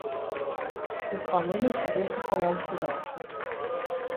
De formules yn dizze kolom ferbergje.